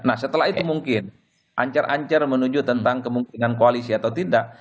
nah setelah itu mungkin ancar ancar menuju tentang kemungkinan koalisi atau tidak